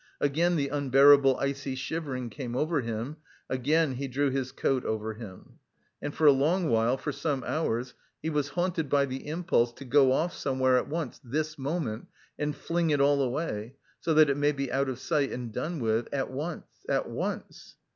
Again the unbearable icy shivering came over him; again he drew his coat over him. And for a long while, for some hours, he was haunted by the impulse to "go off somewhere at once, this moment, and fling it all away, so that it may be out of sight and done with, at once, at once!"